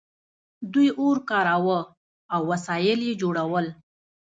دوی اور کاراوه او وسایل یې جوړول.